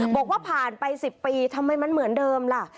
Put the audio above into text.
บอกว่าผ่านไป๑๐ปีทำไมมันเหมือนเดิมล่ะ